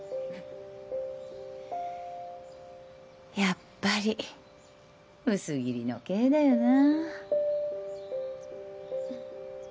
やっぱり薄切りの刑だよな。